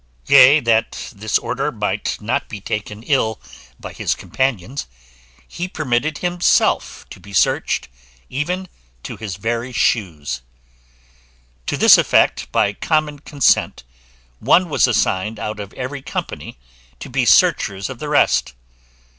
Yea, that this order might not be ill taken by his companions, he permitted himself to be searched, even to his very shoes. To this effect, by common consent, one was assigned out of every company to be searchers of the rest.